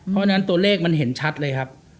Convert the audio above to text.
เพราะฉะนั้นตัวเลขมันเห็นชัดเลยครับ